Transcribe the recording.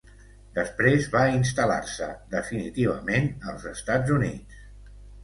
Després va instal·lar-se definitivament als Estats Units.